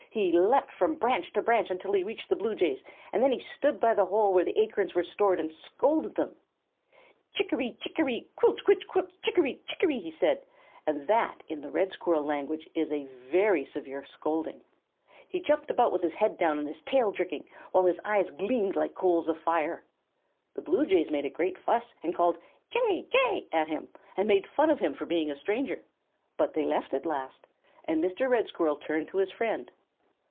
He leaped from branch to branch until he reached the Blue Jays; then he stood by the hole where the acorns were stored, and scolded them. "Chickaree chickaree quilch quilch chickaree chickaree!" he said; and that in the Red Squirrel language is a very severe scolding. He jumped about with his head down and his tail jerking, while his eyes gleamed like coals of fire. The Blue Jays made a great fuss and called "Jay! Jay!" at him, and made fun of him for being a stranger, but they left at last, and Mr. Red Squirrel turned to his friend.